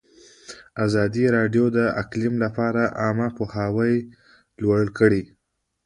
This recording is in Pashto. ازادي راډیو د اقلیم لپاره عامه پوهاوي لوړ کړی.